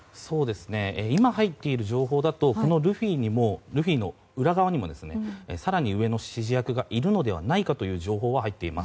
今入っている情報だとこのルフィの裏側にも更に上の指示役がいるのではないかという情報が入っています。